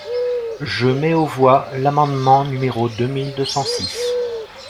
Je mets aux voix l’amendement numéro deux mille deux cent six.